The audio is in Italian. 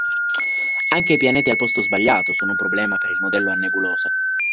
Anche i pianeti "al posto sbagliato" sono un problema per il modello a nebulosa.